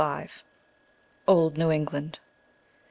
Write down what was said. V. OLD NEW ENGLAND.